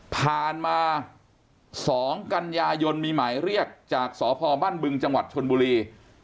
ผ่านมา๒กันยายนมีหมายเรียกจากสพบ้านบึงจังหวัดชนบุรี